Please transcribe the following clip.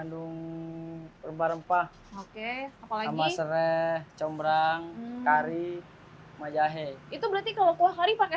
nung rempah rempah oke apa lagi masalah combrang kari maja hei itu berarti kalau kuah hari pakai